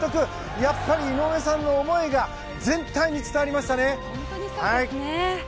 やっぱり井上さんの思いが伝わりましたね。